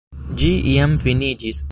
Ĝi jam finiĝis.